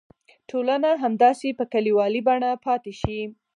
ټولنه همداسې په کلیوالي بڼه پاتې شي.